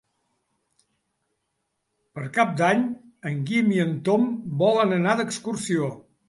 Per Cap d'Any en Guim i en Tom volen anar d'excursió.